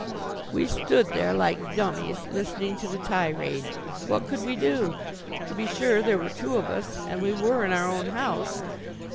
We stood there like dummies, listening to the tirade. What could we do? To be sure, there were two of us, and we were in our own house.